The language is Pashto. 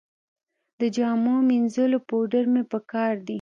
د جامو مینځلو پوډر مې په کار دي